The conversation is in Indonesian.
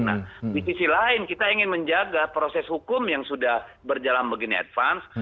nah di sisi lain kita ingin menjaga proses hukum yang sudah berjalan begini advance